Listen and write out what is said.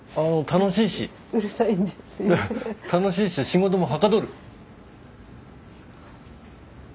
楽しいし仕事もはかどる。